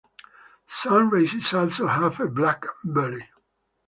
Some races also have a black belly.